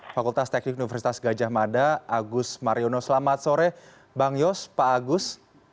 fakultas teknik universitas gajah mada agus mariono selamat sore bang yos pak agus